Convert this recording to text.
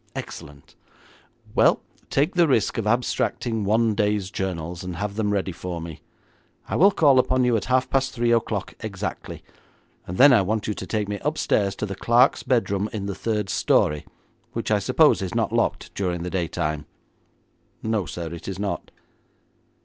'Excellent. Well, take the risk of abstracting one day's journals, and have them ready for me. I will call upon you at half past three o'clock exactly, and then I want you to take me upstairs to the clerk's bedroom in the third story, which I suppose is not locked during the daytime?' 'No, sir, it is not.'